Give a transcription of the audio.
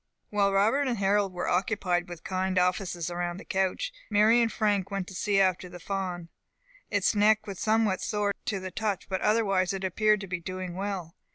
While Robert and Harold were occupied with kind offices around the couch, Mary and Frank went to see after the fawn. Its neck was somewhat sore to the touch, but otherwise it appeared to be doing well.